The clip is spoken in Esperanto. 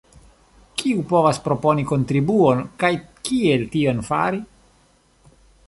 Kiu povas proponi kontribuon kaj kiel tion fari?